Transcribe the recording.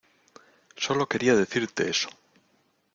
Sólo quería decirte eso.